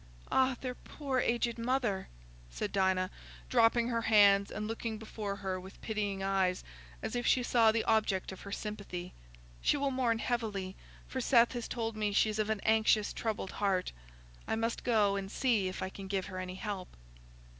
"Ah, their poor aged mother!" said Dinah, dropping her hands and looking before her with pitying eyes, as if she saw the object of her sympathy. "She will mourn heavily, for Seth has told me she's of an anxious, troubled heart. I must go and see if I can give her any help."